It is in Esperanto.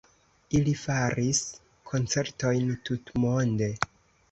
Ili faris koncertojn tutmonde.